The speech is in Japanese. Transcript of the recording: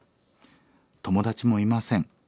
友達もいません。